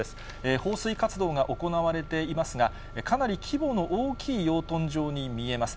放水活動が行われていますが、かなり規模の大きい養豚場に見えます。